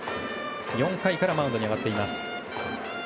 ４回からマウンドに上がっています。